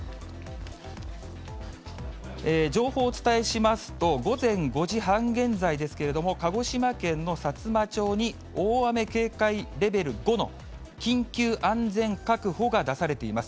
情報をお伝えしますと、午前５時半現在ですけれども、鹿児島県のさつま町に大雨警戒レベル５の緊急安全確保が出されています。